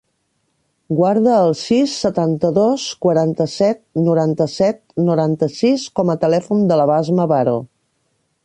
Guarda el sis, setanta-dos, quaranta-set, noranta-set, noranta-sis com a telèfon de la Basma Baro.